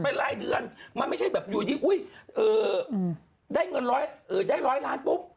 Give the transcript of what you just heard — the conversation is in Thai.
ไปรายเดือนมันไม่ใช่แบบอยู่ที่อุ้ยเอ่อได้เงินร้อยเอ่อได้ร้อยล้านปุ๊บ